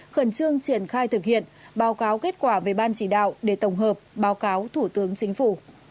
khẩn trương triển khai thực hiện báo cáo kết quả về ban chỉ đạo để tổng hợp báo cáo thủ tướng chính phủ